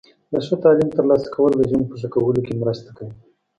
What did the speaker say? د ښه تعلیم ترلاسه کول د ژوند په ښه کولو کې مرسته کوي.